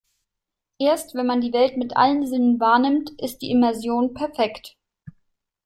Erst wenn man die Welt mit allen Sinnen wahrnimmt, ist die Immersion perfekt.